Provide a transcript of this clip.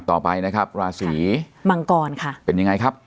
ต่อไปนะครับราศีมังกรค่ะเป็นยังไงครับ